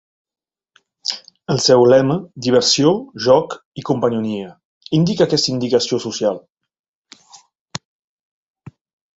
El seu lema, "Diversió, joc i companyonia", indica aquesta inclinació social.